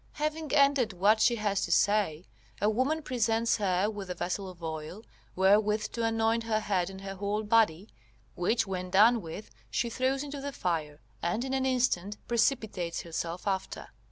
Having ended what she has to say, a woman presents her with a vessel of oil, wherewith to anoint her head and her whole body, which when done with she throws into the fire, and in an instant precipitates herself after.